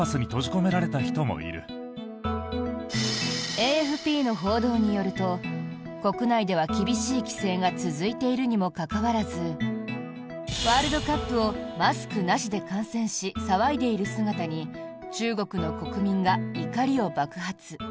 ＡＦＰの報道によると国内では厳しい規制が続いているにもかかわらずワールドカップをマスクなしで観戦し騒いでいる姿に中国の国民が怒りを爆発。